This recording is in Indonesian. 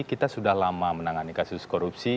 kita sudah lama menangani kasus korupsi